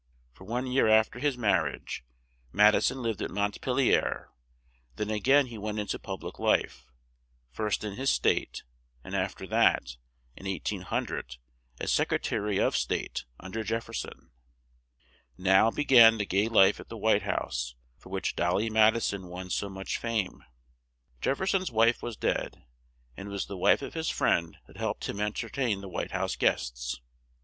] For one year af ter his mar riage, Mad i son lived at Mont pel ier; then a gain he went in to pub lic life, first in his State, and af ter that, in 1800, as Sec re ta ry of State un der Jef fer son. Now, be gan the gay life at the White House, for which "Dol ly" Mad i son won so much fame. Jef fer son's wife was dead, and it was the wife of his friend that helped him en ter tain the White House guests.